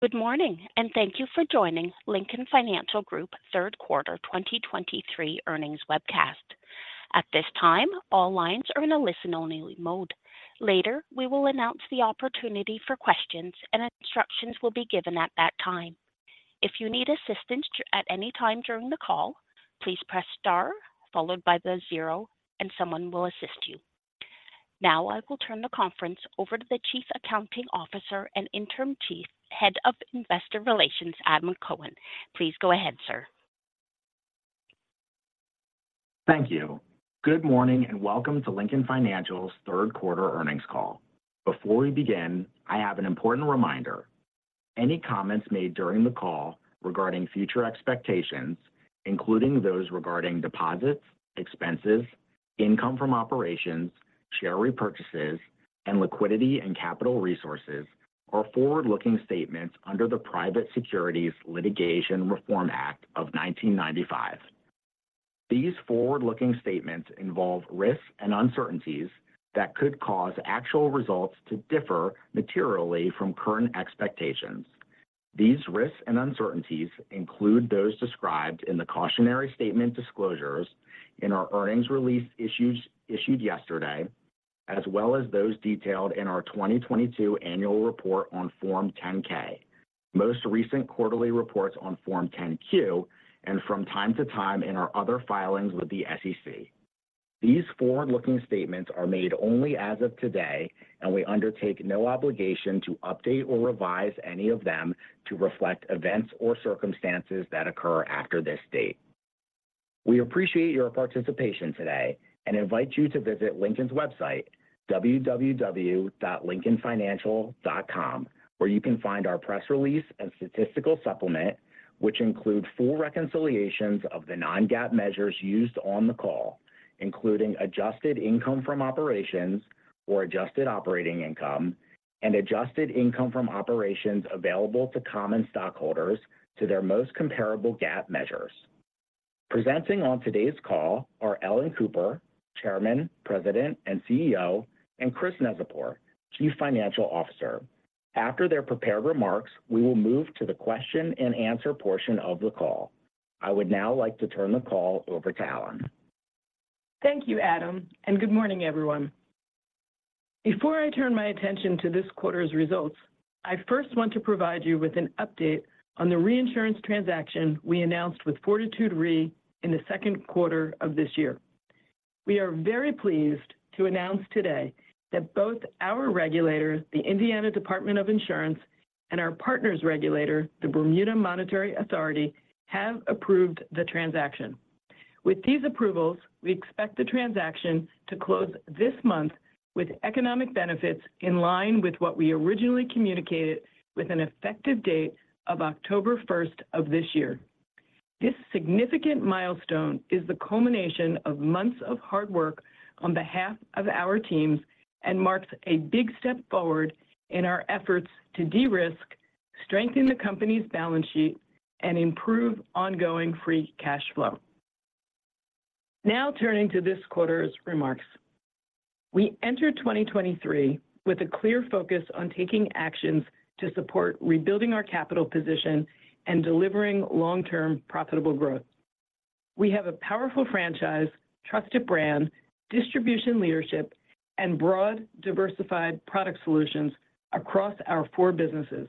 Good morning, and thank you for joining Lincoln Financial Group third quarter 2023 earnings webcast. At this time, all lines are in a listen-only mode. Later, we will announce the opportunity for questions, and instructions will be given at that time. If you need assistance at any time during the call, please press star, followed by the zero, and someone will assist you. Now I will turn the conference over to the Chief Accounting Officer and Interim Head of Investor Relations, Adam Cohen. Please go ahead, sir. Thank you. Good morning, and welcome to Lincoln Financial's third quarter earnings call. Before we begin, I have an important reminder. Any comments made during the call regarding future expectations, including those regarding deposits, expenses, income from operations, share repurchases, and liquidity and capital resources, are forward-looking statements under the Private Securities Litigation Reform Act of 1995. These forward-looking statements involve risks and uncertainties that could cause actual results to differ materially from current expectations. These risks and uncertainties include those described in the cautionary statement disclosures in our earnings release issued yesterday, as well as those detailed in our 2022 annual report on Form 10-K, most recent quarterly reports on Form 10-Q, and from time to time in our other filings with the SEC. These forward-looking statements are made only as of today, and we undertake no obligation to update or revise any of them to reflect events or circumstances that occur after this date. We appreciate your participation today and invite you to visit Lincoln's website, www.lincolnfinancial.com, where you can find our press release and statistical supplement, which include full reconciliations of the non-GAAP measures used on the call, including adjusted income from operations or adjusted operating income and adjusted income from operations available to common stockholders to their most comparable GAAP measures. Presenting on today's call are Ellen Cooper, Chairman, President, and CEO, and Christopher Neczypor, Chief Financial Officer. After their prepared remarks, we will move to the question-and-answer portion of the call. I would now like to turn the call over to Ellen. Thank you, Adam, and good morning, everyone. Before I turn my attention to this quarter's results, I first want to provide you with an update on the reinsurance transaction we announced with Fortitude Re in the second quarter of this year. We are very pleased to announce today that both our regulators, the Indiana Department of Insurance, and our partners regulator, the Bermuda Monetary Authority, have approved the transaction. With these approvals, we expect the transaction to close this month with economic benefits in line with what we originally communicated, with an effective date of October 1st of this year. This significant milestone is the culmination of months of hard work on behalf of our teams and marks a big step forward in our efforts to de-risk, strengthen the company's balance sheet, and improve ongoing free cash flow. Now, turning to this quarter's remarks. We entered 2023 with a clear focus on taking actions to support rebuilding our capital position and delivering long-term profitable growth. We have a powerful franchise, trusted brand, distribution leadership, and broad, diversified product solutions across our four businesses.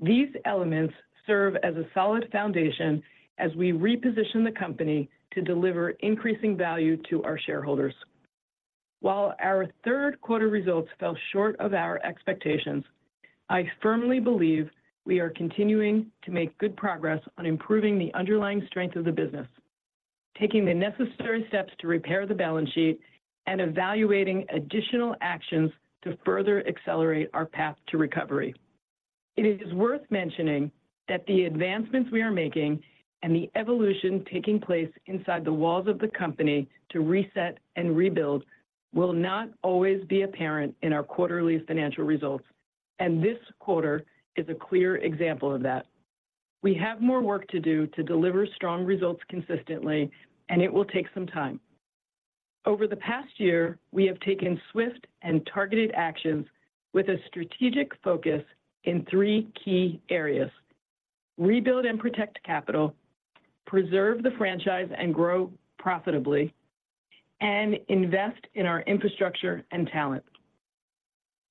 These elements serve as a solid foundation as we reposition the company to deliver increasing value to our shareholders. While our third quarter results fell short of our expectations, I firmly believe we are continuing to make good progress on improving the underlying strength of the business, taking the necessary steps to repair the balance sheet, and evaluating additional actions to further accelerate our path to recovery. It is worth mentioning that the advancements we are making and the evolution taking place inside the walls of the company to reset and rebuild will not always be apparent in our quarterly financial results, and this quarter is a clear example of that. We have more work to do to deliver strong results consistently, and it will take some time. Over the past year, we have taken swift and targeted actions with a strategic focus in three key areas: rebuild and protect capital, preserve the franchise and grow profitably, and invest in our infrastructure and talent.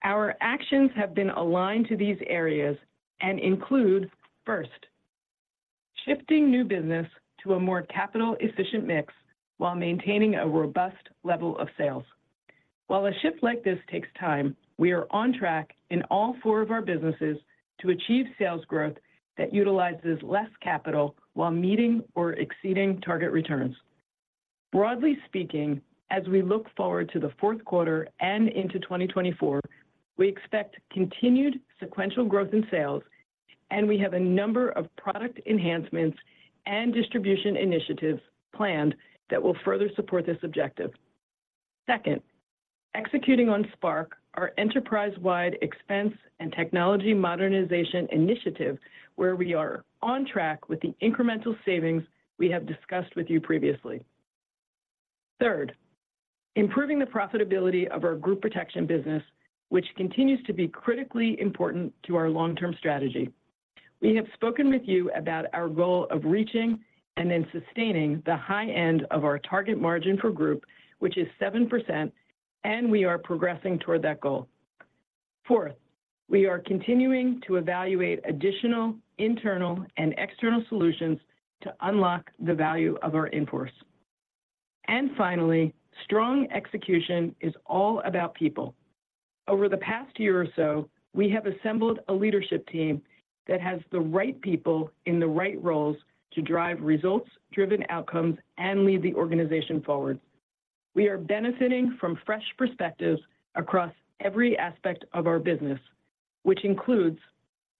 Our actions have been aligned to these areas and include, first, shifting new business to a more capital-efficient mix while maintaining a robust level of sales. While a shift like this takes time, we are on track in all four of our businesses to achieve sales growth that utilizes less capital while meeting or exceeding target returns. Broadly speaking, as we look forward to the fourth quarter and into 2024, we expect continued sequential growth in sales, and we have a number of product enhancements and distribution initiatives planned that will further support this objective. Second, executing on Spark, our enterprise-wide expense and technology modernization initiative, where we are on track with the incremental savings we have discussed with you previously. Third, improving the profitability of our group protection business, which continues to be critically important to our long-term strategy. We have spoken with you about our goal of reaching and then sustaining the high end of our target margin for group, which is 7%, and we are progressing toward that goal. Fourth, we are continuing to evaluate additional internal and external solutions to unlock the value of our in-force. And finally, strong execution is all about people. Over the past year or so, we have assembled a leadership team that has the right people in the right roles to drive results, driven outcomes, and lead the organization forward. We are benefiting from fresh perspectives across every aspect of our business, which includes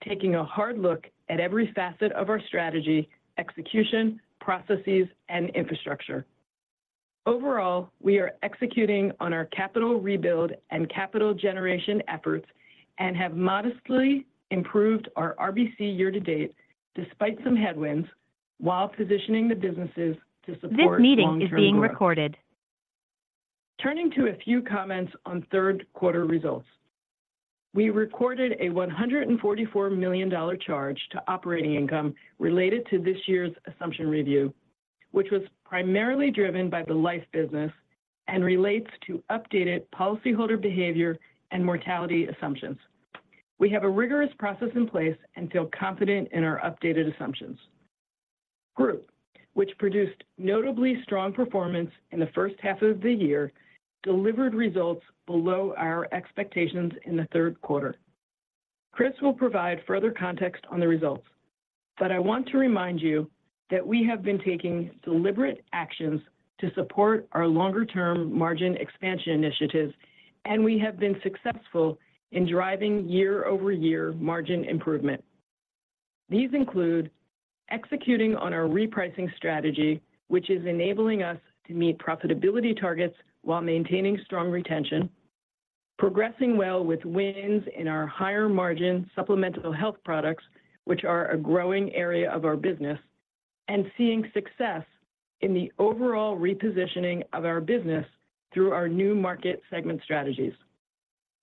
taking a hard look at every facet of our strategy, execution, processes, and infrastructure. Overall, we are executing on our capital rebuild and capital generation efforts and have modestly improved our RBC year to date, despite some headwinds, while positioning the businesses to support long-term growth. This meeting is being recorded. Turning to a few comments on third quarter results. We recorded a $144 million charge to operating income related to this year's assumption review, which was primarily driven by the life business and relates to updated policyholder behavior and mortality assumptions. We have a rigorous process in place and feel confident in our updated assumptions. Group, which produced notably strong performance in the first half of the year, delivered results below our expectations in the third quarter. Chris will provide further context on the results, but I want to remind you that we have been taking deliberate actions to support our longer-term margin expansion initiatives, and we have been successful in driving year-over-year margin improvement. These include executing on our repricing strategy, which is enabling us to meet profitability targets while maintaining strong retention, progressing well with wins in our higher margin supplemental health products, which are a growing area of our business, and seeing success in the overall repositioning of our business through our new market segment strategies.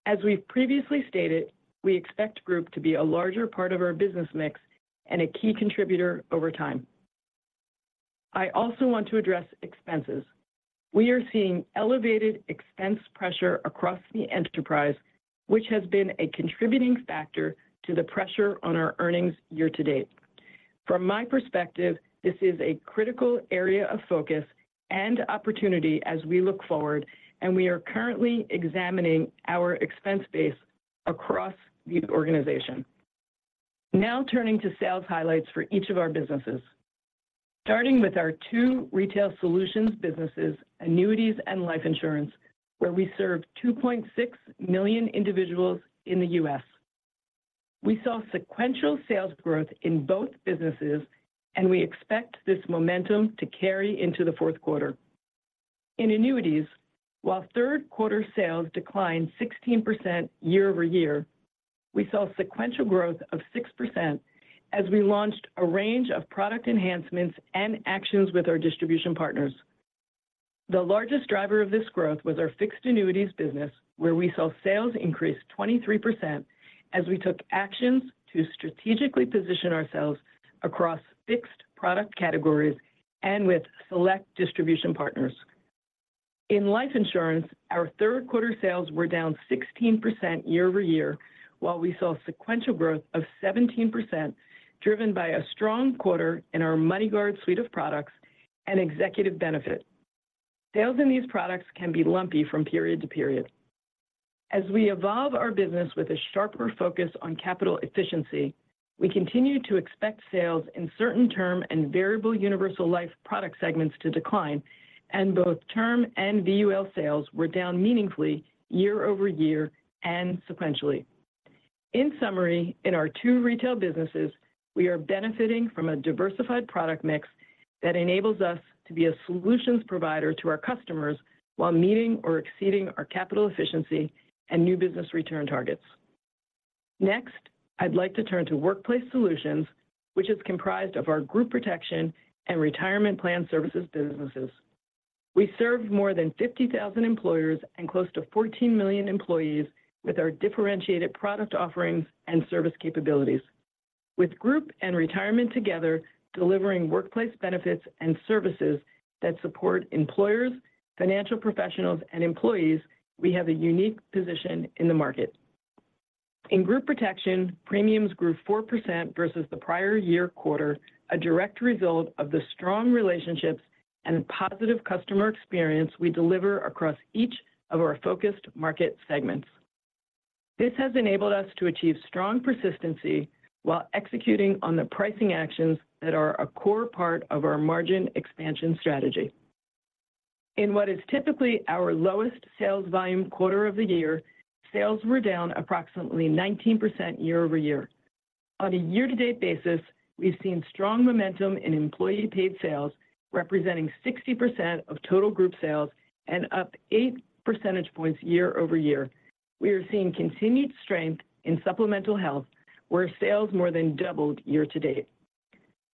As we've previously stated, we expect Group to be a larger part of our business mix and a key contributor over time. I also want to address expenses. We are seeing elevated expense pressure across the enterprise, which has been a contributing factor to the pressure on our earnings year to date. From my perspective, this is a critical area of focus and opportunity as we look forward, and we are currently examining our expense base across the organization. Now, turning to sales highlights for each of our businesses. Starting with our two retail solutions businesses, annuities and life insurance, where we serve 2.6 million individuals in the U.S. We saw sequential sales growth in both businesses, and we expect this momentum to carry into the fourth quarter. In annuities, while third quarter sales declined 16% year-over-year, we saw sequential growth of 6% as we launched a range of product enhancements and actions with our distribution partners. The largest driver of this growth was our fixed annuities business, where we saw sales increase 23% as we took actions to strategically position ourselves across fixed product categories and with select distribution partners. In life insurance, our third quarter sales were down 16% year-over-year, while we saw sequential growth of 17%, driven by a strong quarter in our MoneyGuard suite of products and executive benefit. Sales in these products can be lumpy from period to period. As we evolve our business with a sharper focus on capital efficiency, we continue to expect sales in certain term and variable universal life product segments to decline, and both term and VUL sales were down meaningfully year-over-year and sequentially. In summary, in our two retail businesses, we are benefiting from a diversified product mix that enables us to be a solutions provider to our customers while meeting or exceeding our capital efficiency and new business return targets. Next, I'd like to turn to Workplace Solutions, which is comprised of our group protection and retirement plan services businesses. We serve more than 50,000 employers and close to 14 million employees with our differentiated product offerings and service capabilities. With group and retirement together, delivering workplace benefits and services that support employers, financial professionals, and employees, we have a unique position in the market. In group protection, premiums grew 4% versus the prior year quarter, a direct result of the strong relationships and positive customer experience we deliver across each of our focused market segments. This has enabled us to achieve strong persistency while executing on the pricing actions that are a core part of our margin expansion strategy. In what is typically our lowest sales volume quarter of the year, sales were down approximately 19% year-over-year. On a year-to-date basis, we've seen strong momentum in employee paid sales, representing 60% of total group sales and up 8% points year-over-year. We are seeing continued strength in supplemental health, where sales more than doubled year-to-date....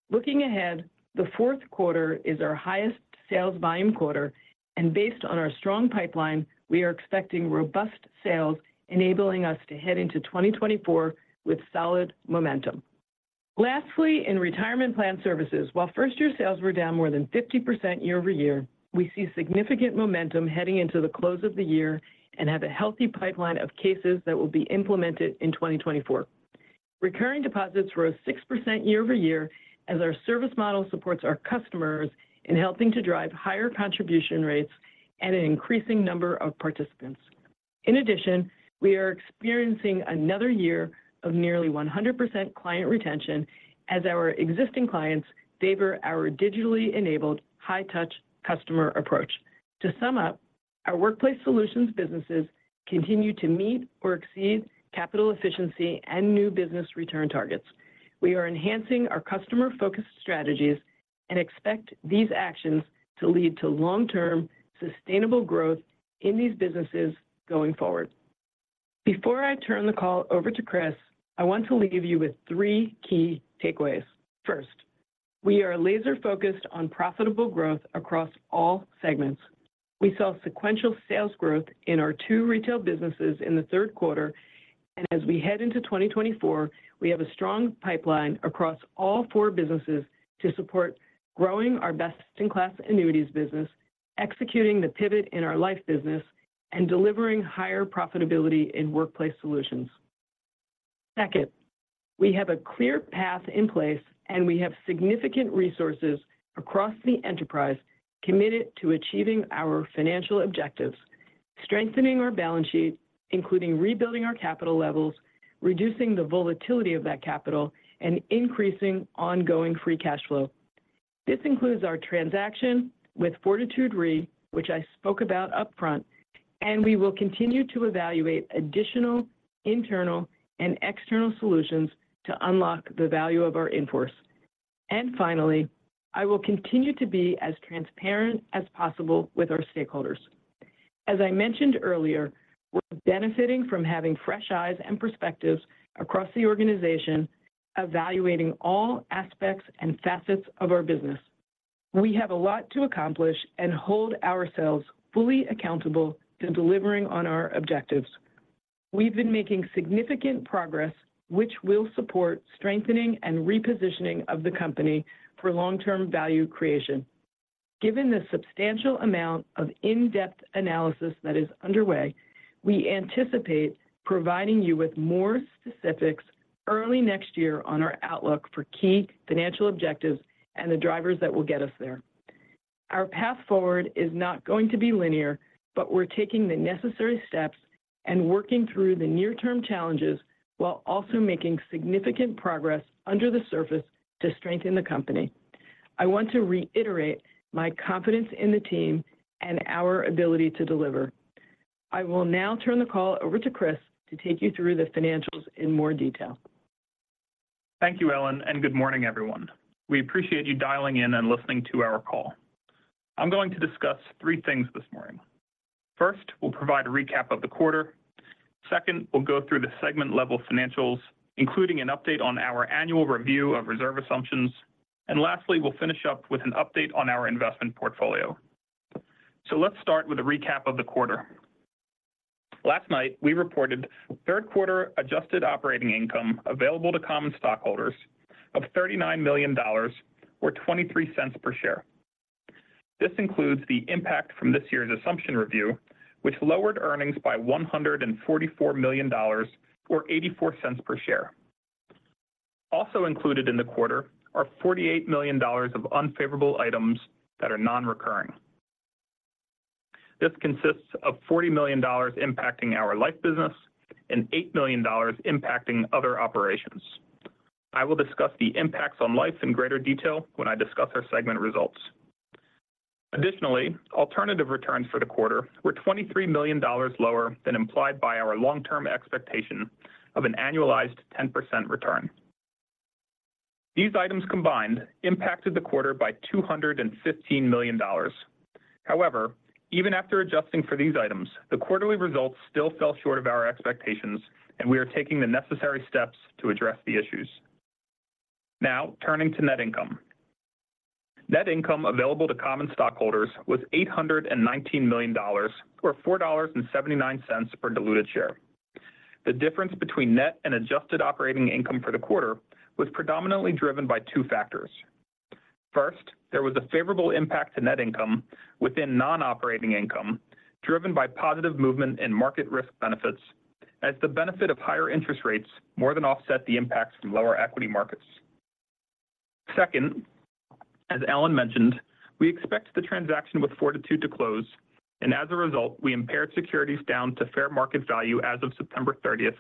Looking ahead, the fourth quarter is our highest sales volume quarter, and based on our strong pipeline, we are expecting robust sales, enabling us to head into 2024 with solid momentum. Lastly, in retirement plan services, while first-year sales were down more than 50% year-over-year, we see significant momentum heading into the close of the year and have a healthy pipeline of cases that will be implemented in 2024. Recurring deposits rose 6% year-over-year as our service model supports our customers in helping to drive higher contribution rates and an increasing number of participants. In addition, we are experiencing another year of nearly 100% client retention as our existing clients favor our digitally enabled, high-touch customer approach. To sum up, our workplace solutions businesses continue to meet or exceed capital efficiency and new business return targets. We are enhancing our customer-focused strategies and expect these actions to lead to long-term, sustainable growth in these businesses going forward. Before I turn the call over to Chris, I want to leave you with three key takeaways. First, we are laser-focused on profitable growth across all segments. We saw sequential sales growth in our two retail businesses in the third quarter, and as we head into 2024, we have a strong pipeline across all four businesses to support growing our best-in-class annuities business, executing the pivot in our life business, and delivering higher profitability in workplace solutions. Second, we have a clear path in place, and we have significant resources across the enterprise committed to achieving our financial objectives, strengthening our balance sheet, including rebuilding our capital levels, reducing the volatility of that capital, and increasing ongoing free cash flow. This includes our transaction with Fortitude Re, which I spoke about upfront, and we will continue to evaluate additional internal and external solutions to unlock the value of our in-force. Finally, I will continue to be as transparent as possible with our stakeholders. As I mentioned earlier, we're benefiting from having fresh eyes and perspectives across the organization, evaluating all aspects and facets of our business. We have a lot to accomplish and hold ourselves fully accountable to delivering on our objectives. We've been making significant progress, which will support strengthening and repositioning of the company for long-term value creation. Given the substantial amount of in-depth analysis that is underway, we anticipate providing you with more specifics early next year on our outlook for key financial objectives and the drivers that will get us there. Our path forward is not going to be linear, but we're taking the necessary steps and working through the near-term challenges while also making significant progress under the surface to strengthen the company. I want to reiterate my confidence in the team and our ability to deliver. I will now turn the call over to Chris to take you through the financials in more detail. Thank you, Ellen, and good morning, everyone. We appreciate you dialing in and listening to our call. I'm going to discuss three things this morning. First, we'll provide a recap of the quarter. Second, we'll go through the segment-level financials, including an update on our annual review of reserve assumptions. And lastly, we'll finish up with an update on our investment portfolio. So let's start with a recap of the quarter. Last night, we reported third quarter adjusted operating income available to common stockholders of $39 million or $0.23 per share. This includes the impact from this year's assumption review, which lowered earnings by $144 million or $0.84 per share. Also included in the quarter are $48 million of unfavorable items that are non-recurring. This consists of $40 million impacting our life business and $8 million impacting other operations. I will discuss the impacts on life in greater detail when I discuss our segment results. Additionally, alternative returns for the quarter were $23 million lower than implied by our long-term expectation of an annualized 10% return. These items combined impacted the quarter by $215 million. However, even after adjusting for these items, the quarterly results still fell short of our expectations, and we are taking the necessary steps to address the issues. Now, turning to net income. Net income available to common stockholders was $819 million or $4.79 per diluted share. The difference between net and adjusted operating income for the quarter was predominantly driven by two factors. First, there was a favorable impact to net income within non-operating income, driven by positive movement in market risk benefits, as the benefit of higher interest rates more than offset the impacts from lower equity markets. Second, as Ellen mentioned, we expect the transaction with Fortitude to close, and as a result, we impaired securities down to fair market value as of September 30th,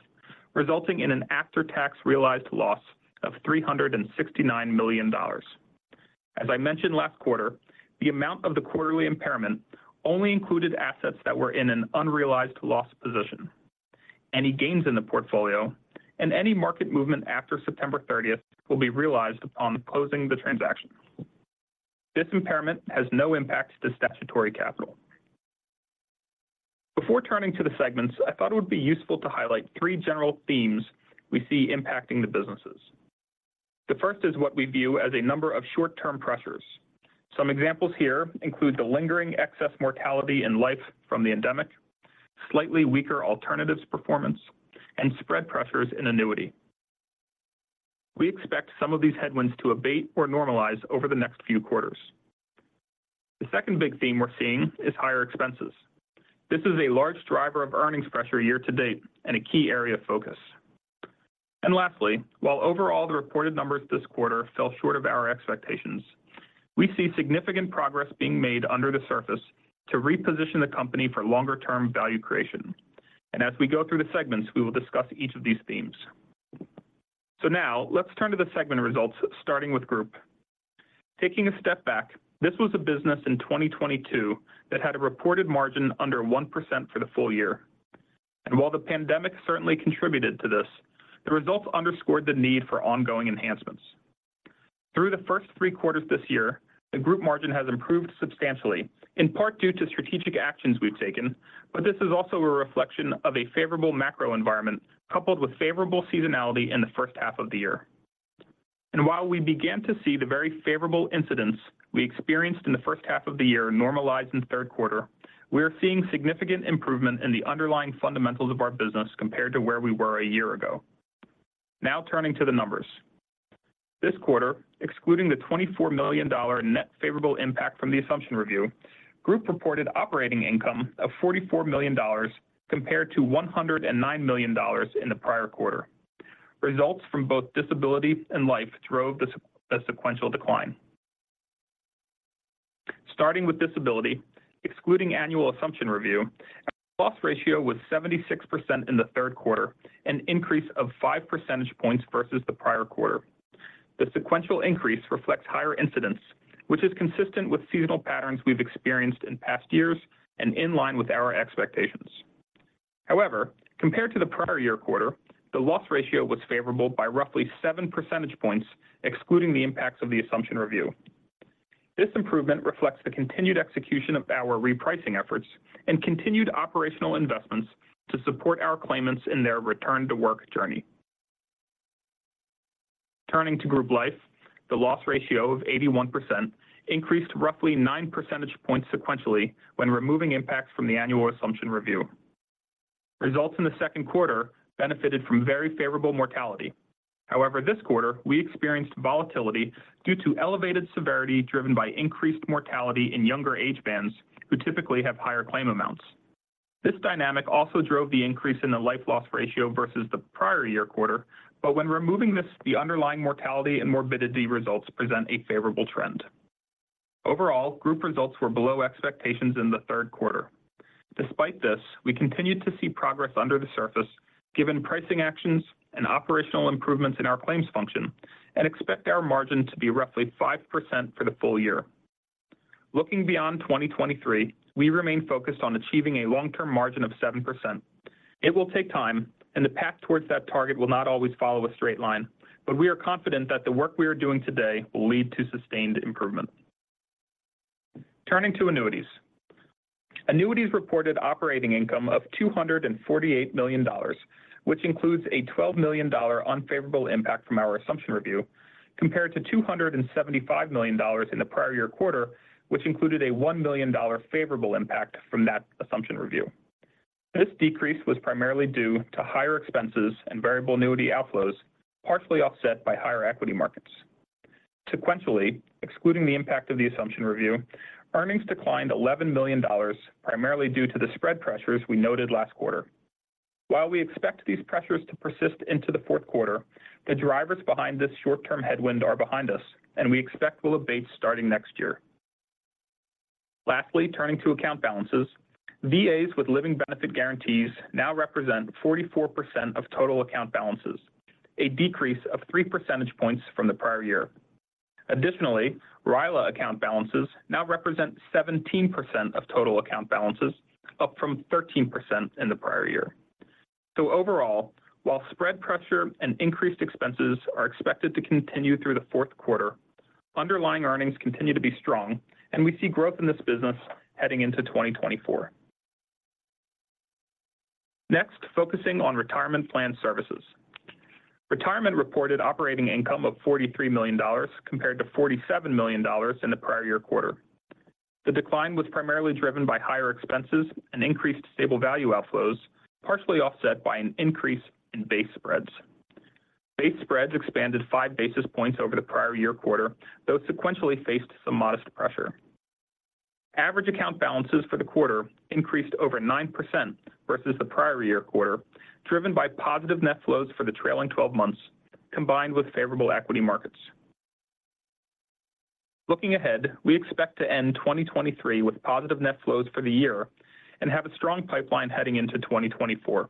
resulting in an after-tax realized loss of $369 million. As I mentioned last qua rter, the amount of the quarterly impairment only included assets that were in an unrealized loss position. Any gains in the portfolio and any market movement after September 30th will be realized upon closing the transaction. This impairment has no impact to statutory capital. Before turning to the segments, I thought it would be useful to highlight three general themes we see impacting the businesses. The first is what we view as a number of short-term pressures. Some examples here include the lingering excess mortality in life from the endemic, slightly weaker alternatives performance, and spread pressures in annuity. We expect some of these headwinds to abate or normalize over the next few quarters. The second big theme we're seeing is higher expenses. This is a large driver of earnings pressure year to date and a key area of focus. Lastly, while overall the reported numbers this quarter fell short of our expectations, we see significant progress being made under the surface to reposition the company for longer term value creation. As we go through the segments, we will discuss each of these themes. Now let's turn to the segment results, starting with Group. Taking a step back, this was a business in 2022 that had a reported margin under 1% for the full year. While the pandemic certainly contributed to this, the results underscored the need for ongoing enhancements. Through the first 3/4 this year, the group margin has improved substantially, in part due to strategic actions we've taken, but this is also a reflection of a favorable macro environment, coupled with favorable seasonality in the first half of the year. While we began to see the very favorable incidence we experienced in the first half of the year normalize in the third quarter, we are seeing significant improvement in the underlying fundamentals of our business compared to where we were a year ago. Now, turning to the numbers. This quarter, excluding the $24 million net favorable impact from the assumption review, Group reported operating income of $44 million, compared to $109 million in the prior quarter. Results from both disability and life drove the sequential decline. Starting with disability, excluding annual assumption review, our loss ratio was 76% in the third quarter, an increase of 5 percentage points versus the prior quarter. The sequential increase reflects higher incidence, which is consistent with seasonal patterns we've experienced in past years and in line with our expectations. However, compared to the prior year quarter, the loss ratio was favorable by roughly 7 percentage points, excluding the impacts of the assumption review. This improvement reflects the continued execution of our repricing efforts and continued operational investments to support our claimants in their return-to-work journey. Turning to Group Life, the loss ratio of 81% increased roughly 9% points sequentially when removing impacts from the annual assumption review. Results in the second quarter benefited from very favorable mortality. However, this quarter we experienced volatility due to elevated severity, driven by increased mortality in younger age bands, who typically have higher claim amounts. This dynamic also drove the increase in the life loss ratio versus the prior year quarter, but when removing this, the underlying mortality and morbidity results present a favorable trend. Overall, Group results were below expectations in the third quarter. Despite this, we continued to see progress under the surface, given pricing actions and operational improvements in our claims function, and expect our margin to be roughly 5% for the full year. Looking beyond 2023, we remain focused on achieving a long-term margin of 7%. It will take time, and the path towards that target will not always follow a straight line, but we are confident that the work we are doing today will lead to sustained improvement. Turning to Annuities. Annuities reported operating income of $248 million, which includes a $12 million unfavorable impact from our assumption review, compared to $275 million in the prior year quarter, which included a $1 million favorable impact from that assumption review. This decrease was primarily due to higher expenses and variable annuity outflows, partially offset by higher equity markets. Sequentially, excluding the impact of the assumption review, earnings declined $11 million, primarily due to the spread pressures we noted last quarter. While we expect these pressures to persist into the fourth quarter, the drivers behind this short-term headwind are behind us, and we expect will abate starting next year. Lastly, turning to account balances. VAs with living benefit guarantees now represent 44% of total account balances, a decrease of 3 percentage points from the prior year. Additionally, RILA account balances now represent 17% of total account balances, up from 13% in the prior year. So overall, while spread pressure and increased expenses are expected to continue through the fourth quarter, underlying earnings continue to be strong, and we see growth in this business heading into 2024. Next, focusing on Retirement Plan Services. Retirement reported operating income of $43 million, compared to $47 million in the prior year quarter. The decline was primarily driven by higher expenses and increased stable value outflows, partially offset by an increase in base spreads. Base spreads expanded five basis points over the prior year quarter, though sequentially faced some modest pressure. Average account balances for the quarter increased over 9% versus the prior year quarter, driven by positive net flows for the trailing 12 months, combined with favorable equity markets. Looking ahead, we expect to end 2023 with positive net flows for the year and have a strong pipeline heading into 2024.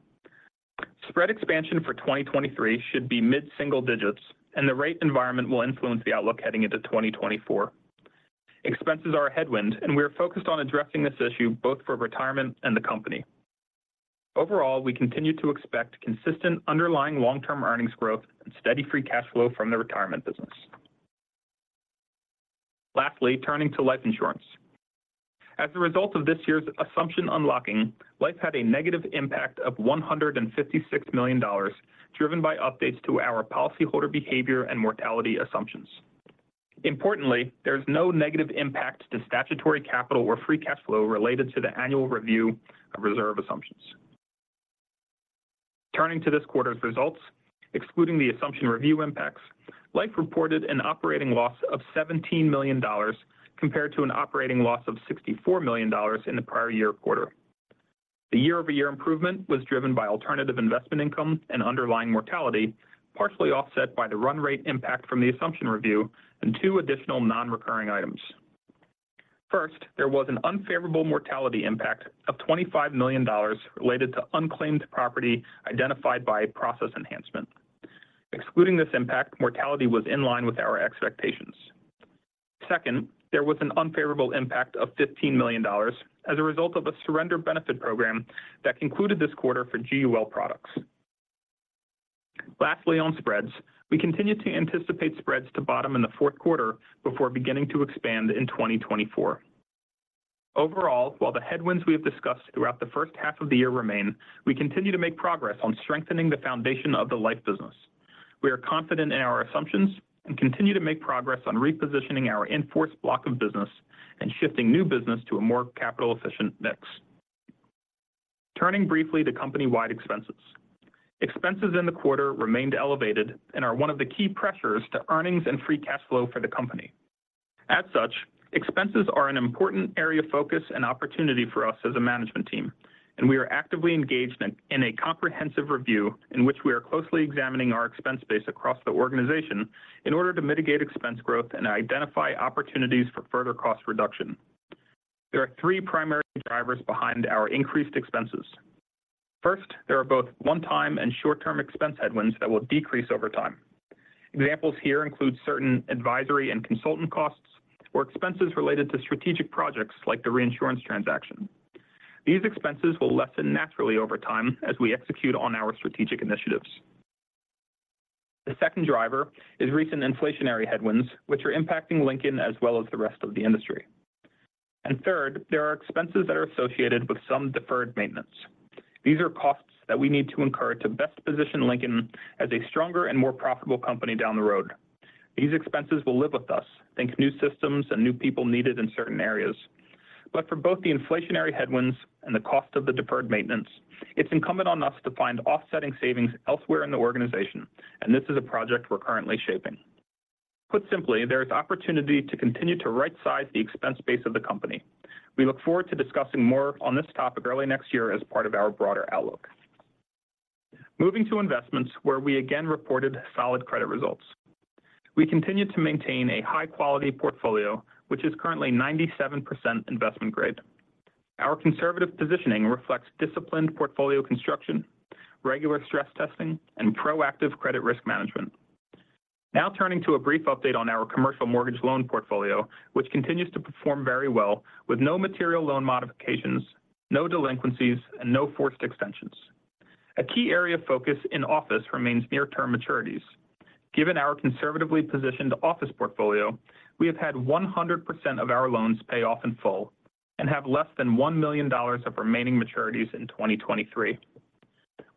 Spread expansion for 2023 should be mid-single digits, and the rate environment will influence the outlook heading into 2024. Expenses are a headwind, and we are focused on addressing this issue both for Retirement and the company. Overall, we continue to expect consistent, underlying long-term earnings growth and steady free cash flow from the Retirement business.... Lastly, turning to life insurance. As a result of this year's assumption unlocking, life had a negative impact of $156 million, driven by updates to our policyholder behavior and mortality assumptions. Importantly, there's no negative impact to statutory capital or free cash flow related to the annual review of reserve assumptions. Turning to this quarter's results, excluding the assumption review impacts, Life reported an operating loss of $17 million compared to an operating loss of $64 million in the prior year quarter. The year-over-year improvement was driven by alternative investment income and underlying mortality, partially offset by the run rate impact from the assumption review and two additional non-recurring items. First, there was an unfavorable mortality impact of $25 million related to unclaimed property identified by process enhancement. Excluding this impact, mortality was in line with our expectations. Second, there was an unfavorable impact of $15 million as a result of a surrender benefit program that concluded this quarter for GUL products. Lastly, on spreads, we continue to anticipate spreads to bottom in the fourth quarter before beginning to expand in 2024. Overall, while the headwinds we have discussed throughout the first half of the year remain, we continue to make progress on strengthening the foundation of the life business. We are confident in our assumptions and continue to make progress on repositioning our in-force block of business and shifting new business to a more capital-efficient mix. Turning briefly to company-wide expenses. Expenses in the quarter remained elevated and are one of the key pressures to earnings and free cash flow for the company. As such, expenses are an important area of focus and opportunity for us as a management team, and we are actively engaged in a comprehensive review in which we are closely examining our expense base across the organization in order to mitigate expense growth and identify opportunities for further cost reduction. There are three primary drivers behind our increased expenses. First, there are both one-time and short-term expense headwinds that will decrease over time. Examples here include certain advisory and consultant costs or expenses related to strategic projects like the reinsurance transaction. These expenses will lessen naturally over time as we execute on our strategic initiatives. The second driver is recent inflationary headwinds, which are impacting Lincoln as well as the rest of the industry. And third, there are expenses that are associated with some deferred maintenance. These are costs that we need to incur to best position Lincoln as a stronger and more profitable company down the road. These expenses will live with us. Think new systems and new people needed in certain areas. But for both the inflationary headwinds and the cost of the deferred maintenance, it's incumbent on us to find offsetting savings elsewhere in the organization, and this is a project we're currently shaping. Put simply, there is opportunity to continue to right-size the expense base of the company. We look forward to discussing more on this topic early next year as part of our broader outlook. Moving to investments, where we again reported solid credit results. We continue to maintain a high-quality portfolio, which is currently 97% investment grade. Our conservative positioning reflects disciplined portfolio construction, regular stress testing, and proactive credit risk management. Now turning to a brief update on our commercial mortgage loan portfolio, which continues to perform very well with no material loan modifications, no delinquencies, and no forced extensions. A key area of focus in office remains near-term maturities. Given our conservatively positioned office portfolio, we have had 100% of our loans paid off in full and have less than $1 million of remaining maturities in 2023.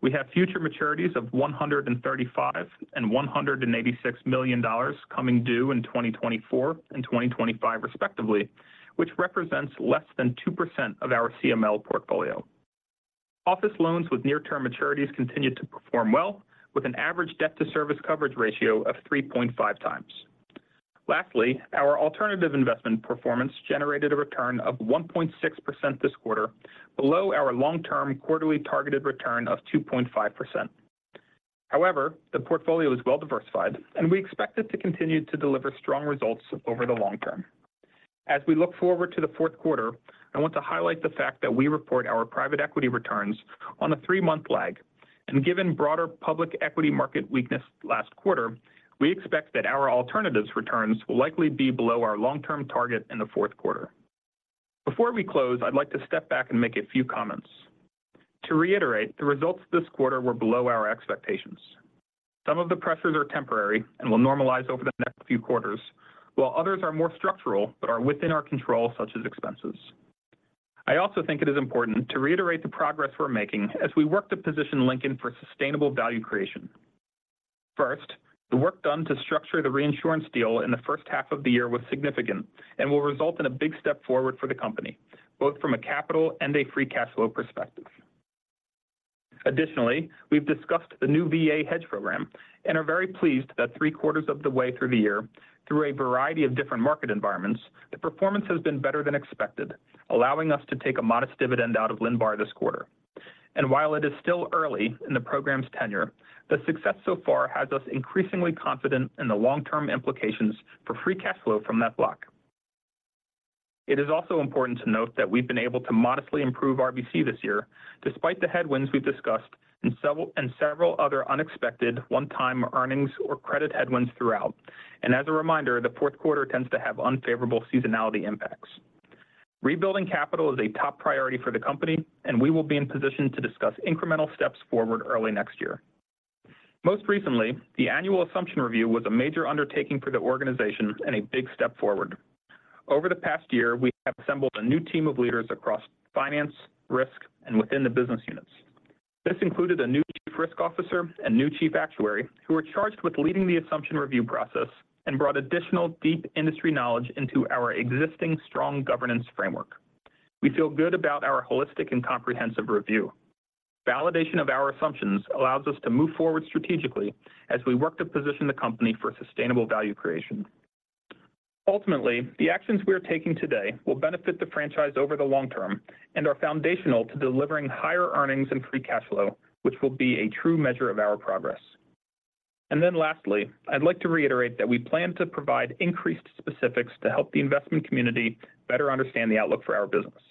We have future maturities of $135 million and $186 million coming due in 2024 and 2025, respectively, which represents less than 2% of our CML portfolio. Office loans with near-term maturities continued to perform well, with an average debt-to-service coverage ratio of 3.5 times. Lastly, our alternative investment performance generated a return of 1.6% this quarter, below our long-term quarterly targeted return of 2.5%. However, the portfolio is well-diversified, and we expect it to continue to deliver strong results over the long term. As we look forward to the fourth quarter, I want to highlight the fact that we report our private equity returns on a three-month lag, and given broader public equity market weakness last quarter, we expect that our alternatives returns will likely be below our long-term target in the fourth quarter. Before we close, I'd like to step back and make a few comments. To reiterate, the results this quarter were below our expectations. Some of the pressures are temporary and will normalize over the next few quarters, while others are more structural but are within our control, such as expenses. I also think it is important to reiterate the progress we're making as we work to position Lincoln for sustainable value creation. First, the work done to structure the reinsurance deal in the first half of the year was significant and will result in a big step forward for the company, both from a capital and a free cash flow perspective. Additionally, we've discussed the new VA hedge program and are very pleased that three-quarters of the way through the year, through a variety of different market environments, the performance has been better than expected, allowing us to take a modest dividend out of LNBAR this quarter. While it is still early in the program's tenure, the success so far has us increasingly confident in the long-term implications for free cash flow from that block. It is also important to note that we've been able to modestly improve RBC this year, despite the headwinds we've discussed and several other unexpected one-time earnings or credit headwinds throughout. As a reminder, the fourth quarter tends to have unfavorable seasonality impacts. Rebuilding capital is a top priority for the company, and we will be in position to discuss incremental steps forward early next year... Most recently, the annual assumption review was a major undertaking for the organization and a big step forward. Over the past year, we have assembled a new team of leaders across finance, risk, and within the business units. This included a new Chief Risk Officer and new Chief Actuary, who were charged with leading the assumption review process and brought additional deep industry knowledge into our existing strong governance framework. We feel good about our holistic and comprehensive review. Validation of our assumptions allows us to move forward strategically as we work to position the company for sustainable value creation. Ultimately, the actions we are taking today will benefit the franchise over the long term and are foundational to delivering higher earnings and free cash flow, which will be a true measure of our progress. And then lastly, I'd like to reiterate that we plan to provide increased specifics to help the investment community better understand the outlook for our business.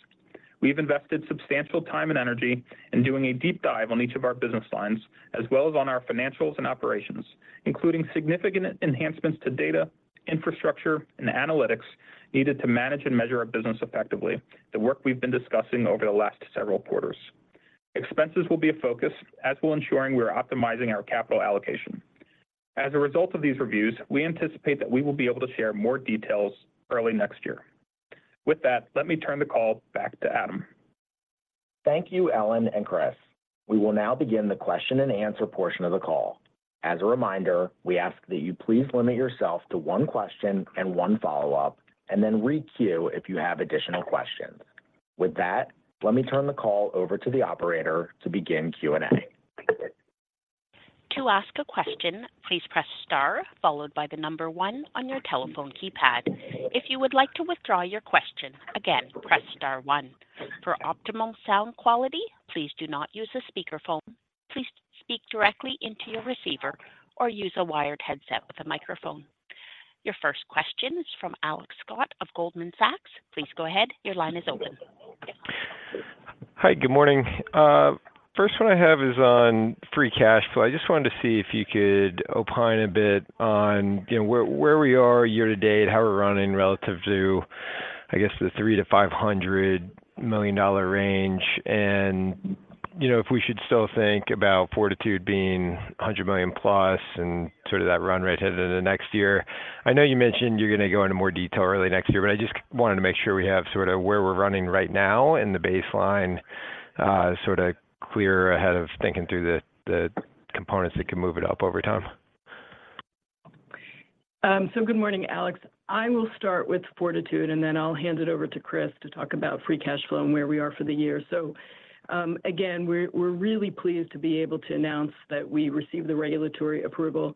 We've invested substantial time and energy in doing a deep dive on each of our business lines, as well as on our financials and operations, including significant enhancements to data, infrastructure, and analytics needed to manage and measure our business effectively, the work we've been discussing over the last several quarters. Expenses will be a focus, as will ensuring we're optimizing our capital allocation. As a result of these reviews, we anticipate that we will be able to share more details early next year. With that, let me turn the call back to Adam. Thank you, Ellen and Chris. We will now begin the question and answer portion of the call. As a reminder, we ask that you please limit yourself to one question and one follow-up, and then re-queue if you have additional questions. With that, let me turn the call over to the operator to begin Q&A. To ask a question, please press star followed by the number one on your telephone keypad. If you would like to withdraw your question, again, press star 1. For optimal sound quality, please do not use a speakerphone. Please speak directly into your receiver or use a wired headset with a microphone. Your first question is from Alex Scott of Goldman Sachs. Please go ahead. Your line is open. Hi, good morning. First one I have is on free cash flow. I just wanted to see if you could opine a bit on, you know, where, where we are year to date, how we're running relative to, I guess, the $300 million-$500 million range, and, you know, if we should still think about Fortitude being $1000000000+ and sort of that run right ahead into the next year. I know you mentioned you're going to go into more detail early next year, but I just wanted to make sure we have sort of where we're running right now and the baseline, sort of clear ahead of thinking through the, the components that can move it up over time. So good morning, Alex. I will start with Fortitude, and then I'll hand it over to Chris to talk about free cash flow and where we are for the year. So, again, we're, we're really pleased to be able to announce that we received the regulatory approval.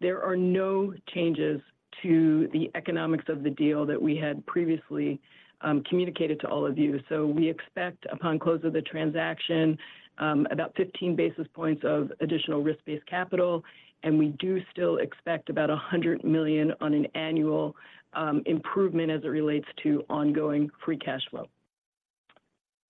There are no changes to the economics of the deal that we had previously, communicated to all of you. So we expect, upon close of the transaction, about 15 basis points of additional risk-based capital, and we do still expect about $100 million on an annual, improvement as it relates to ongoing free cash flow.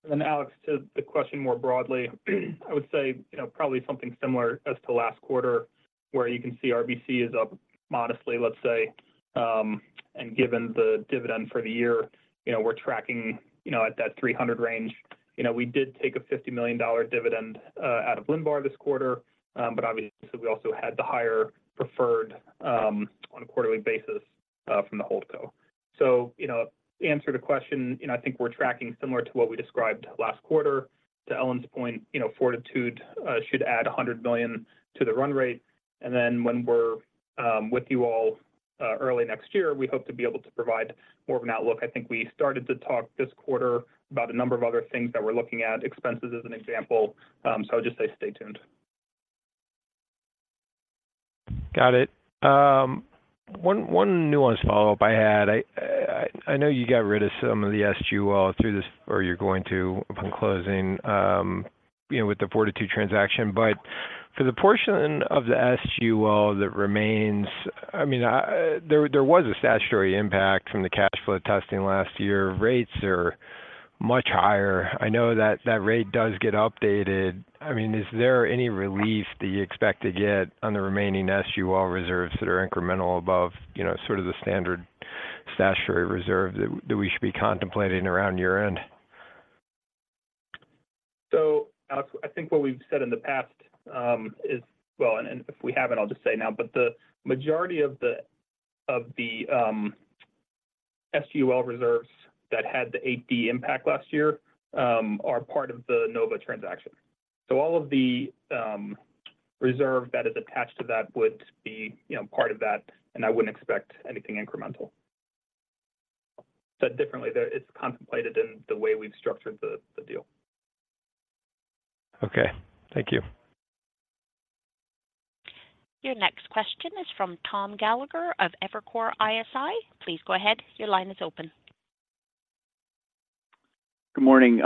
And then, Alex, to the question more broadly, I would say, you know, probably something similar as to last quarter, where you can see RBC is up modestly, let's say. And given the dividend for the year, you know, we're tracking, you know, at that 300 range. You know, we did take a $50 million dividend out of Linbar this quarter, but obviously, we also had the higher preferred on a quarterly basis from the holdco. So, you know, to answer the question, you know, I think we're tracking similar to what we described last quarter. To Ellen's point, you know, Fortitude should add $100 million to the run rate. And then when we're with you all early next year, we hope to be able to provide more of an outlook. I think we started to talk this quarter about a number of other things that we're looking at, expenses as an example. So I'd just say stay tuned. Got it. One nuance follow-up I had. I know you got rid of some of the SUL through this, or you're going to upon closing, you know, with the Fortitude transaction. But for the portion of the SUL that remains, I mean, there was a statutory impact from the cash flow testing last year. Rates are much higher. I know that that rate does get updated. I mean, is there any relief that you expect to get on the remaining SUL reserves that are incremental above, you know, sort of the standard statutory reserve that we should be contemplating around year-end? So, Alex, I think what we've said in the past is... Well, and if we haven't, I'll just say now, but the majority of the SUL reserves that had the AG impact last year are part of the Nova transaction. So all of the reserve that is attached to that would be, you know, part of that, and I wouldn't expect anything incremental. Said differently, though, it's contemplated in the way we've structured the deal. Okay. Thank you. Your next question is from Tom Gallagher of Evercore ISI. Please go ahead. Your line is open. Good morning.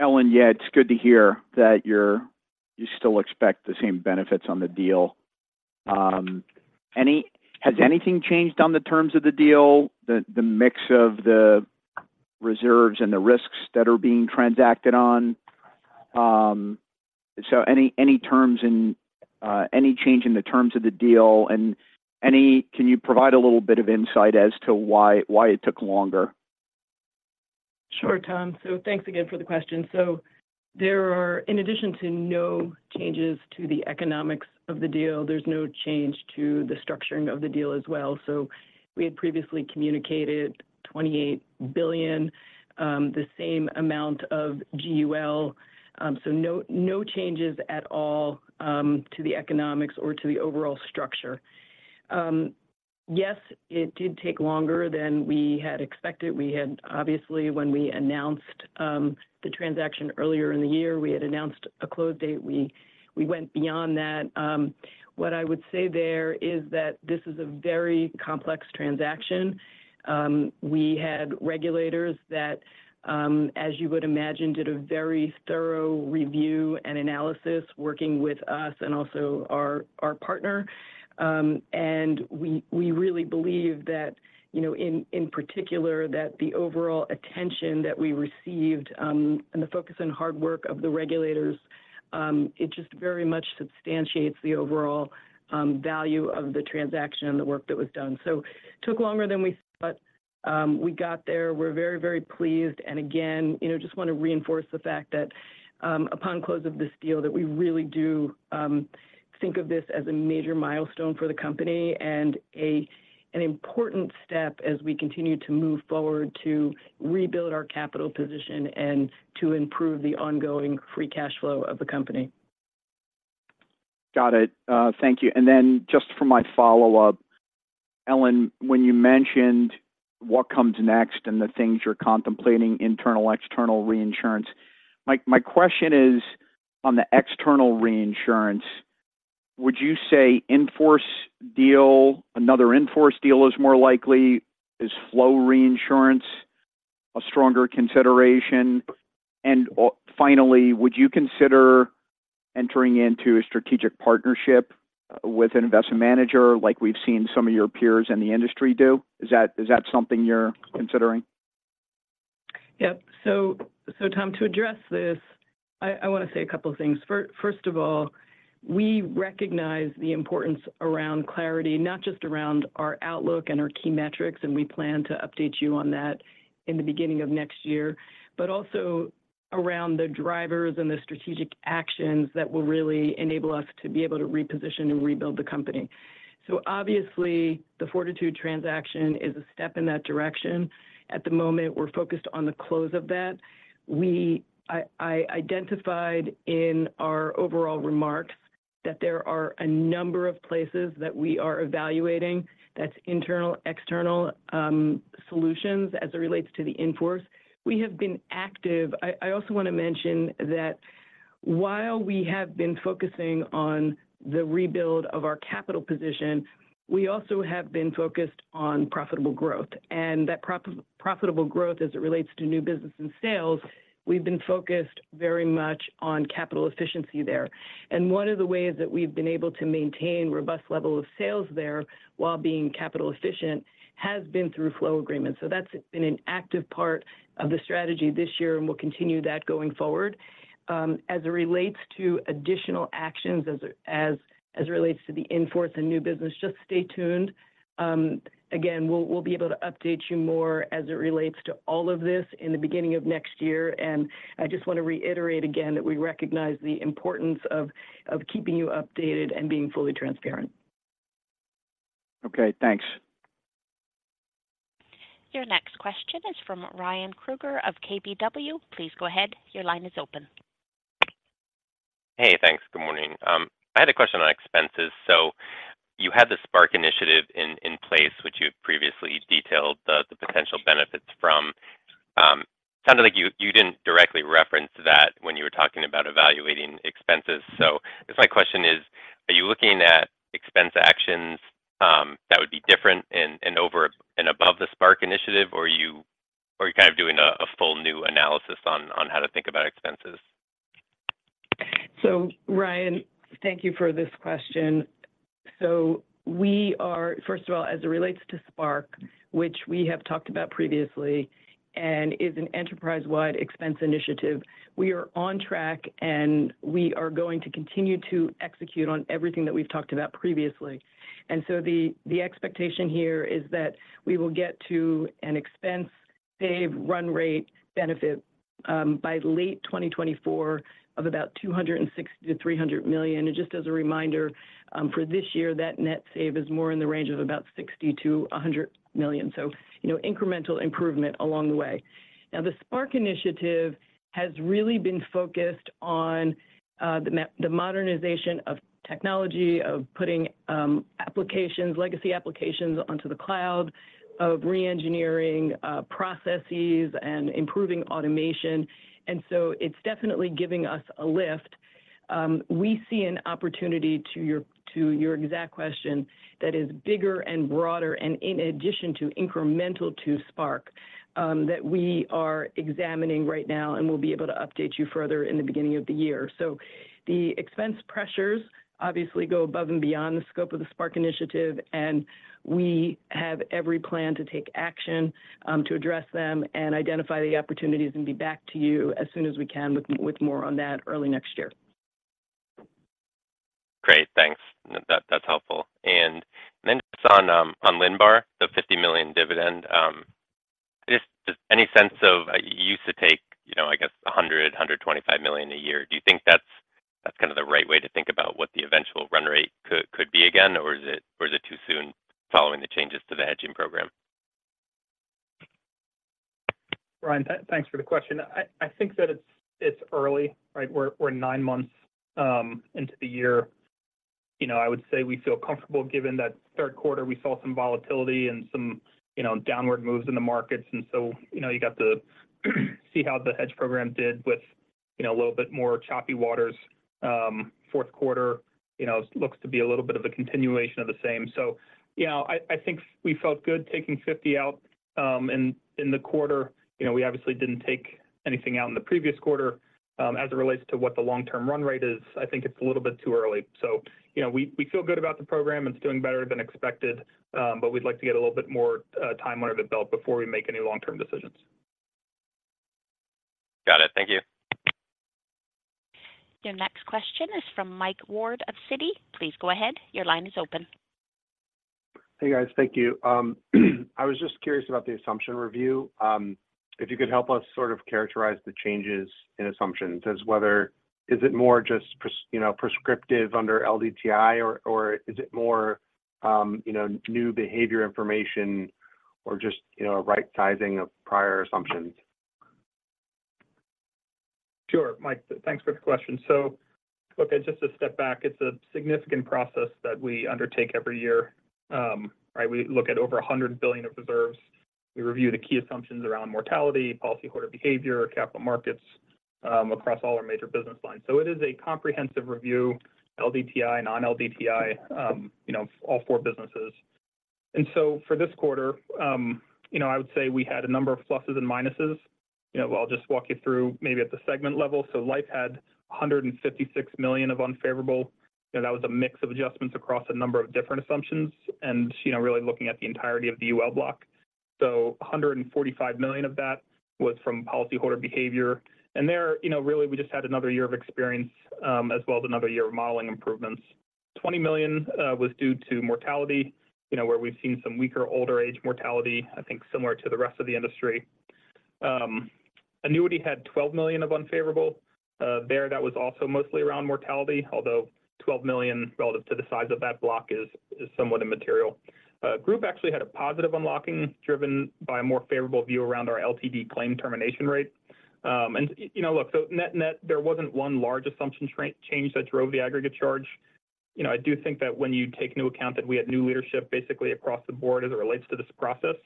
Ellen, yeah, it's good to hear that you still expect the same benefits on the deal. Has anything changed on the terms of the deal, the mix of the reserves and the risks that are being transacted on? So any change in the terms of the deal, and can you provide a little bit of insight as to why it took longer? Sure, Tom. So thanks again for the question. So there are, in addition to no changes to the economics of the deal, there's no change to the structuring of the deal as well. So we had previously communicated $28 billion, the same amount of GUL. So no, no changes at all, to the economics or to the overall structure. Yes, it did take longer than we had expected. We had obviously, when we announced the transaction earlier in the year, we had announced a close date. We went beyond that. What I would say there is that this is a very complex transaction. We had regulators that, as you would imagine, did a very thorough review and analysis working with us and also our partner. And we really believe that, you know, in particular, that the overall attention that we received, and the focus and hard work of the regulators, it just very much substantiates the overall value of the transaction and the work that was done. So took longer than we thought, but we got there. We're very, very pleased, and again, you know, just want to reinforce the fact that, upon close of this deal, that we really do think of this as a major milestone for the company and a, an important step as we continue to move forward to rebuild our capital position and to improve the ongoing free cash flow of the company. Got it. Thank you. And then just for my follow-up, Ellen, when you mentioned what comes next and the things you're contemplating, internal, external reinsurance, my question is, on the external reinsurance, would you say in-force deal, another in-force deal is more likely? Is flow reinsurance a stronger consideration? And, finally, would you consider entering into a strategic partnership with an investment manager, like we've seen some of your peers in the industry do? Is that something you're considering? Yep. So Tom, to address this, I want to say a couple of things. First of all, we recognize the importance around clarity, not just around our outlook and our key metrics, and we plan to update you on that in the beginning of next year, but also around the drivers and the strategic actions that will really enable us to be able to reposition and rebuild the company. So obviously, the Fortitude transaction is a step in that direction. At the moment, we're focused on the close of that. I identified in our overall remarks that there are a number of places that we are evaluating, that's internal, external, solutions, as it relates to the in-force. We have been active. I also want to mention that while we have been focusing on the rebuild of our capital position, we also have been focused on profitable growth. And that profitable growth, as it relates to new business and sales, we've been focused very much on capital efficiency there. And one of the ways that we've been able to maintain robust level of sales there while being capital efficient, has been through flow agreements. So that's been an active part of the strategy this year, and we'll continue that going forward. As it relates to additional actions, as it relates to the in-force and new business, just stay tuned. Again, we'll be able to update you more as it relates to all of this in the beginning of next year. I just want to reiterate again that we recognize the importance of keeping you updated and being fully transparent. Okay, thanks. Your next question is from Ryan Krueger of KBW. Please go ahead. Your line is open. Hey, thanks. Good morning. I had a question on expenses. So you had the Spark Initiative in place, which you previously detailed the potential benefits from. Sounded like you didn't directly reference that when you were talking about evaluating expenses. So I guess my question is: are you looking at expense actions that would be different and over and above the Spark Initiative, or are you kind of doing a full new analysis on how to think about expenses? So Ryan, thank you for this question. So we are, first of all, as it relates to Spark, which we have talked about previously and is an enterprise-wide expense initiative, we are on track, and we are going to continue to execute on everything that we've talked about previously. And so the expectation here is that we will get to an expense save run rate benefit by late 2024 of about $260 million-$300 million. And just as a reminder, for this year, that net save is more in the range of about $60 million-$100 million. So you know, incremental improvement along the way. Now, the Spark Initiative has really been focused on the modernization of technology, of putting applications, legacy applications onto the cloud, of reengineering processes and improving automation. And so it's definitely giving us a lift. We see an opportunity to your, to your exact question that is bigger and broader, and in addition to incremental to Spark, that we are examining right now, and we'll be able to update you further in the beginning of the year. So the expense pressures obviously go above and beyond the scope of the Spark Initiative, and we have every plan to take action, to address them and identify the opportunities and be back to you as soon as we can with, with more on that early next year. That's helpful. Then just on, on Linbar, the $50 million dividend, just, just any sense of you used to take, you know, I guess $125 million a year. Do you think that's, that's kind of the right way to think about what the eventual run rate could, could be again? Or is it, or is it too soon following the changes to the hedging program? Ryan, thanks for the question. I think that it's early, right? We're nine months into the year. You know, I would say we feel comfortable given that third quarter we saw some volatility and some you know, downward moves in the markets. And so, you know, you got to see how the hedge program did with you know, a little bit more choppy waters. Fourth quarter, you know, looks to be a little bit of a continuation of the same. So yeah, I think we felt good taking 50 out in the quarter. You know, we obviously didn't take anything out in the previous quarter. As it relates to what the long-term run rate is, I think it's a little bit too early. So, you know, we feel good about the program. It's doing better than expected, but we'd like to get a little bit more time under the belt before we make any long-term decisions. Got it. Thank you. Your next question is from Mike Ward of Citi. Please go ahead. Your line is open. Hey, guys. Thank you. I was just curious about the assumption review. If you could help us sort of characterize the changes in assumptions as whether is it more just pres- you know, prescriptive under LDTI or, or is it more, you know, new behavior information or just, you know, a right sizing of prior assumptions? Sure, Mike. Thanks for the question. So okay, just to step back, it's a significant process that we undertake every year. Right, we look at over $100 billion of reserves. We review the key assumptions around mortality, policyholder behavior, capital markets, across all our major business lines. So it is a comprehensive review, LDTI, non-LDTI, you know, all four businesses. And so for this quarter, you know, I would say we had a number of pluses and minuses. You know, I'll just walk you through maybe at the segment level. So Life had $156 million of unfavorable, and that was a mix of adjustments across a number of different assumptions and, you know, really looking at the entirety of the UL block. So $145 million of that was from policyholder behavior. And there, you know, really we just had another year of experience, as well as another year of modeling improvements. $20 million was due to mortality, you know, where we've seen some weaker, older age mortality, I think, similar to the rest of the industry. Annuity had $12 million of unfavorable. There, that was also mostly around mortality, although $12 million relative to the size of that block is somewhat immaterial. Group actually had a positive unlocking, driven by a more favorable view around our LTD claim termination rate. And, you know, look, so net, net, there wasn't one large assumption change that drove the aggregate charge. You know, I do think that when you take into account that we had new leadership basically across the board as it relates to this process,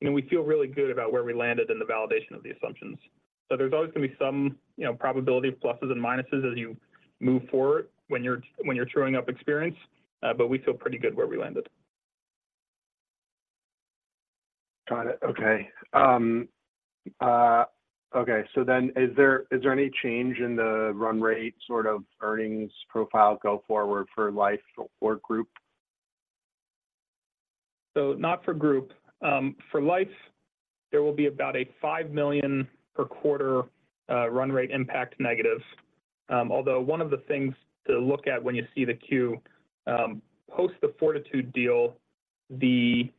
you know, we feel really good about where we landed and the validation of the assumptions. So there's always going to be some, you know, probability of pluses and minuses as you move forward when you're, when you're truing up experience, but we feel pretty good where we landed. Got it. Okay, so then, is there, is there any change in the run rate, sort of earnings profile go forward for Life or Group? So not for Group. For Life, there will be about a $5 million per quarter run rate impact negative. Although one of the things to look at when you see the Q, post the Fortitude deal, the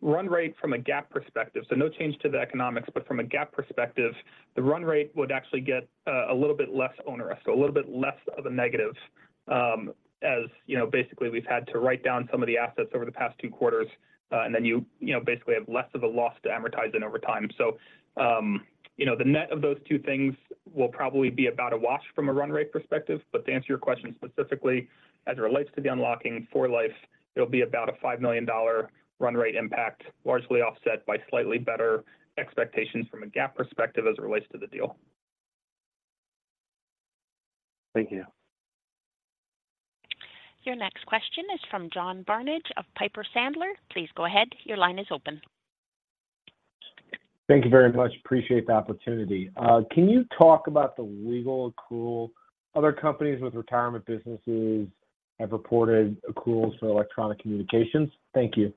run rate from a GAAP perspective, so no change to the economics, but from a GAAP perspective, the run rate would actually get a little bit less onerous, so a little bit less of a negative. As you know, basically, we've had to write down some of the assets over the past two quarters, and then you know, basically have less of a loss to amortize in over time. So, you know, the net of those two things will probably be about a wash from a run rate perspective. To answer your question specifically, as it relates to the unlocking for Life, it'll be about a $5 million run rate impact, largely offset by slightly better expectations from a GAAP perspective as it relates to the deal. Thank you. Your next question is from John Barnidge of Piper Sandler. Please go ahead. Your line is open. Thank you very much. Appreciate the opportunity. Can you talk about the legal accrual? Other companies with retirement businesses have reported accruals for electronic communications. Thank you.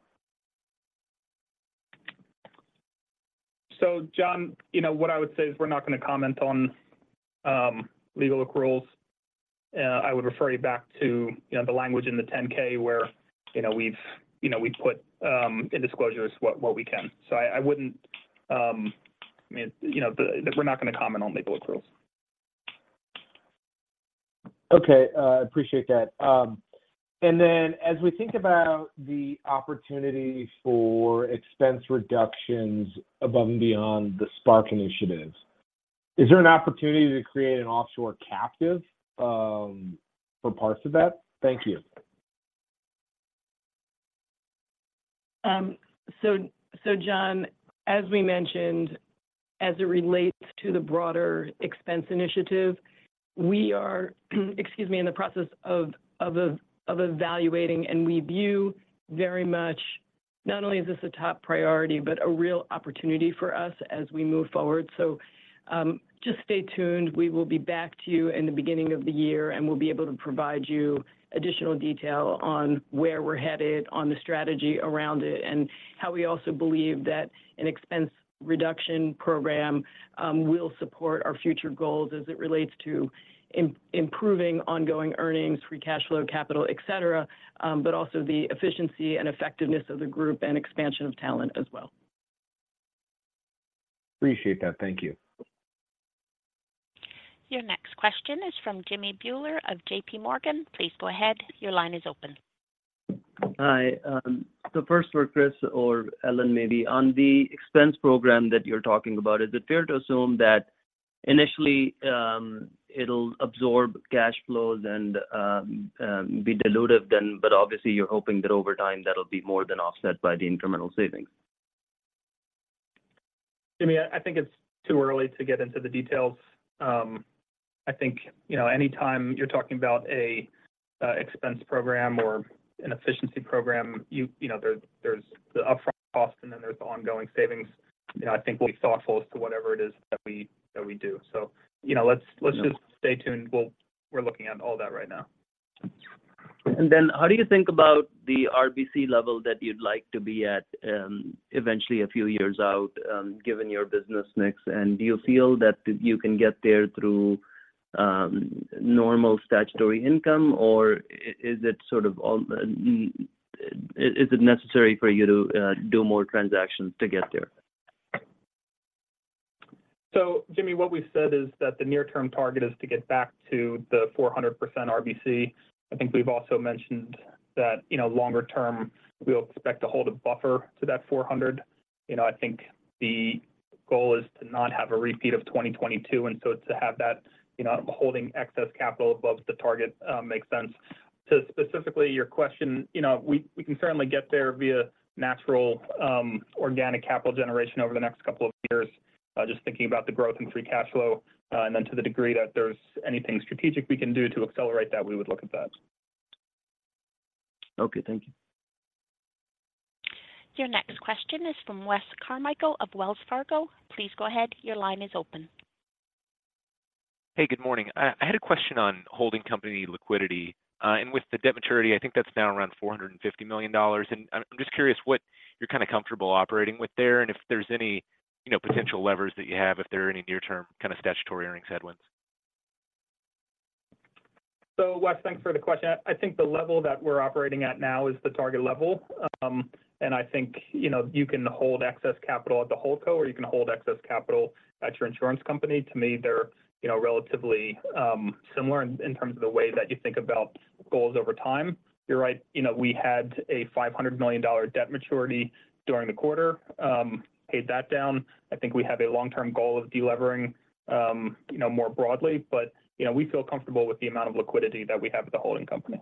So, John, you know, what I would say is we're not going to comment on legal accruals. I would refer you back to, you know, the language in the 10-K, where, you know, we've, you know, we put in disclosure is what, what we can. So I, I wouldn't, I mean, you know, we're not going to comment on legal accruals. Okay, I appreciate that. And then, as we think about the opportunities for expense reductions above and beyond the Spark initiatives, is there an opportunity to create an offshore captive for parts of that? Thank you. So John, as we mentioned, as it relates to the broader expense initiative, we are, excuse me, in the process of evaluating, and we view very much not only is this a top priority, but a real opportunity for us as we move forward. So, just stay tuned. We will be back to you in the beginning of the year, and we'll be able to provide you additional detail on where we're headed, on the strategy around it, and how we also believe that an expense reduction program will support our future goals as it relates to improving ongoing earnings, free cash flow, capital, et cetera, but also the efficiency and effectiveness of the group and expansion of talent as well. Appreciate that. Thank you. Your next question is from Jimmy Bhullar of JPMorgan. Please go ahead. Your line is open. Hi, so first for Chris or Ellen, maybe. On the expense program that you're talking about, is it fair to assume that initially, it'll absorb cash flows and, be dilutive then, but obviously you're hoping that over time, that'll be more than offset by the incremental savings? Jimmy, I think it's too early to get into the details. I think, you know, anytime you're talking about a expense program or an efficiency program, you know, there's the upfront cost, and then there's the ongoing savings. You know, I think we'll be thoughtful as to whatever it is that we do. So, you know, let's- Yeah. Let's just stay tuned. We're looking at all that right now. And then how do you think about the RBC level that you'd like to be at, eventually, a few years out, given your business mix? And do you feel that you can get there through normal statutory income, or is it sort of all... Is it necessary for you to do more transactions to get there? So, Jimmy, what we've said is that the near-term target is to get back to the 400% RBC. I think we've also mentioned that, you know, longer term, we'll expect to hold a buffer to that 400. You know, I think the goal is to not have a repeat of 2022, and so to have that, you know, holding excess capital above the target, makes sense. To specifically your question, you know, we can certainly get there via natural, organic capital generation over the next couple of years, just thinking about the growth in free cash flow. And then to the degree that there's anything strategic we can do to accelerate that, we would look at that. Okay, thank you. Your next question is from Wes Carmichael of Wells Fargo. Please go ahead. Your line is open. Hey, good morning. I had a question on holding company liquidity. And with the debt maturity, I think that's now around $450 million. And I'm just curious what you're kind of comfortable operating with there, and if there's any, you know, potential levers that you have, if there are any near-term kind of statutory earnings headwinds. So, Wes, thanks for the question. I think the level that we're operating at now is the target level. And I think, you know, you can hold excess capital at the hold co, or you can hold excess capital at your insurance company. To me, they're, you know, relatively similar in terms of the way that you think about goals over time. You're right, you know, we had a $500 million debt maturity during the quarter. Paid that down. I think we have a long-term goal of delevering, you know, more broadly, but, you know, we feel comfortable with the amount of liquidity that we have at the holding company.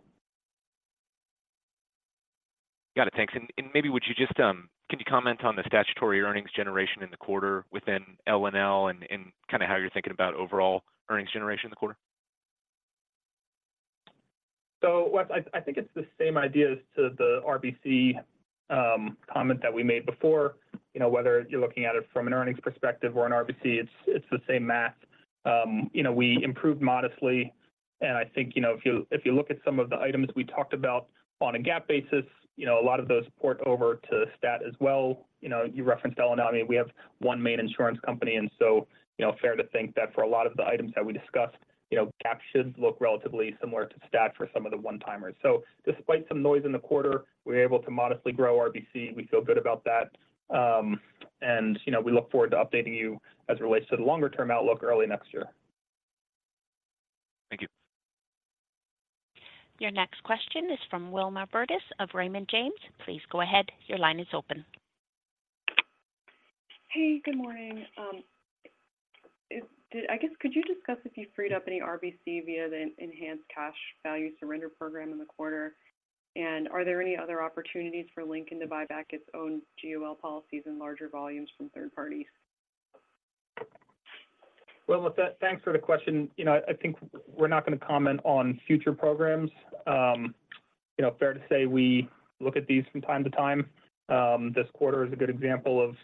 Got it, thanks. Maybe would you just can you comment on the statutory earnings generation in the quarter within LNL and kind of how you're thinking about overall earnings generation in the quarter? So, Wes, I think it's the same idea as to the RBC comment that we made before. You know, whether you're looking at it from an earnings perspective or an RBC, it's the same math. You know, we improved modestly, and I think, you know, if you look at some of the items we talked about on a GAAP basis, you know, a lot of those port over to stat as well. You know, you referenced LNL. I mean, we have one main insurance company, and so, you know, fair to think that for a lot of the items that we discussed, you know, GAAP should look relatively similar to stat for some of the one-timers. So despite some noise in the quarter, we're able to modestly grow RBC. We feel good about that. You know, we look forward to updating you as it relates to the longer-term outlook early next year. Thank you. Your next question is from Wilma Burdis of Raymond James. Please go ahead. Your line is open. Hey, good morning. I guess could you discuss if you freed up any RBC via the enhanced cash value surrender program in the quarter? And are there any other opportunities for Lincoln to buy back its own GUL policies in larger volumes from third parties? Wilma, thanks for the question. You know, I think we're not going to comment on future programs. You know, fair to say, we look at these from time to time. This quarter is a good example of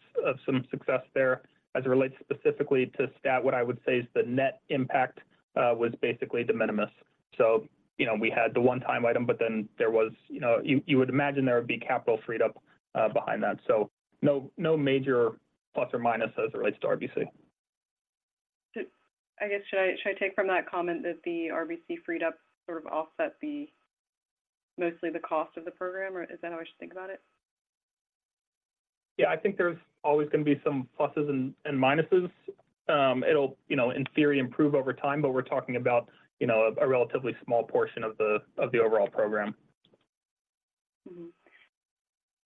some success there. As it relates specifically to stat, what I would say is the net impact was basically de minimis. So, you know, we had the one-time item, but then there was... You know, you would imagine there would be capital freed up behind that. So no, no major plus or minus as it relates to RBC. I guess, should I, should I take from that comment that the RBC freed up sort of offset the, mostly the cost of the program, or is that how I should think about it? Yeah, I think there's always going to be some pluses and minuses. It'll, you know, in theory, improve over time, but we're talking about, you know, a relatively small portion of the overall program. Mm-hmm.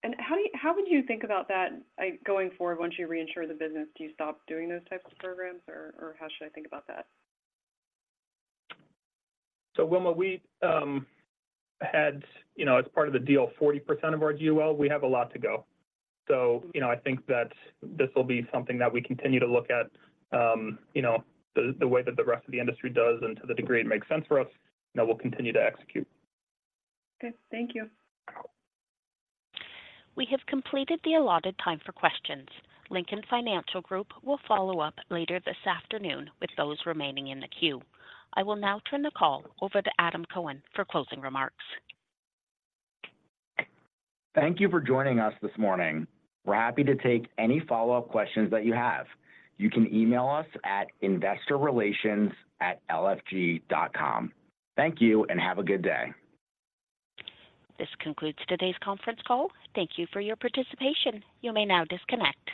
And how would you think about that, like, going forward once you reinsure the business? Do you stop doing those types of programs, or, or how should I think about that? So, Wilma, we had, you know, as part of the deal, 40% of our GUL, we have a lot to go. So, you know, I think that this will be something that we continue to look at, you know, the way that the rest of the industry does, and to the degree it makes sense for us, and we'll continue to execute. Okay. Thank you. We have completed the allotted time for questions. Lincoln Financial Group will follow up later this afternoon with those remaining in the queue. I will now turn the call over to Adam Cohen for closing remarks. Thank you for joining us this morning. We're happy to take any follow-up questions that you have. You can email us at investorrelations@lfg.com. Thank you, and have a good day. This concludes today's conference call. Thank you for your participation. You may now disconnect.